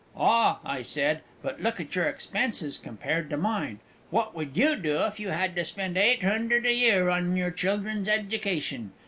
"Ah," I said, "but look at your expenses, compared to mine. What would you do if you had to spend eight hundred a year on your children's education?"